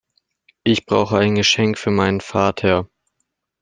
Ich brauche ein Geschenk für meinen Vater.